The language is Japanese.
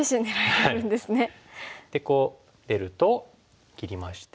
でこう出ると切りまして。